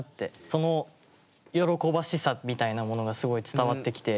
その喜ばしさみたいなものがすごい伝わってきて。